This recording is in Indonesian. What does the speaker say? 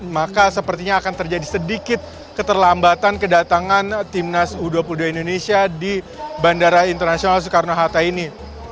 maka sepertinya akan terjadi sedikit keterlambatan kedatangan timnas u dua puluh dua indonesia di bandara internasional soekarno hatta ini